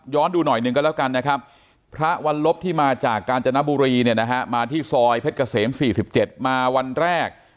ดูหน่อยหนึ่งก็แล้วกันนะครับพระวันลบที่มาจากกาญจนบุรีเนี่ยนะฮะมาที่ซอยเพชรเกษม๔๗มาวันแรก